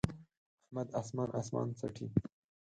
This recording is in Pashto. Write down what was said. احمد اسمان اسمان څټي.